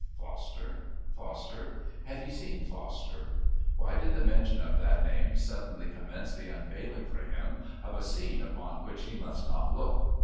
Foster? Foster? Had he seen Foster? Why did the mention of that name suddenly commence the unveiling for him of a scene upon which, he must not look?